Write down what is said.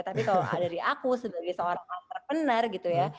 tapi kalau dari aku sebagai seorang entrepreneur gitu ya